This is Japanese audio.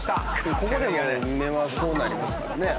ここでも目はこうなりますからね。